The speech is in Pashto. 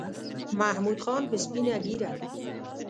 محمود خان په سپینه ګیره